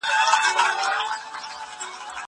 زه به سبا ليک ولولم!